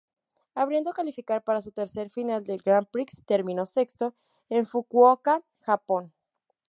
Habiendo calificado para su tercer final del Grand Prix, terminó sexto en Fukuoka, Japón.